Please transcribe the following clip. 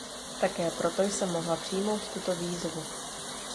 Také proto jsem mohla přijmout tuto výzvu.